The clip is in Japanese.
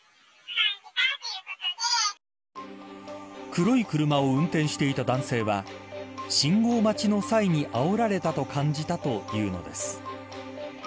黒い車を運転していた男性は信号待ちの際にあおられたと感じたというのです。